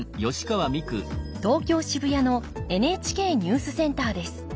東京・渋谷のＮＨＫニュースセンターです。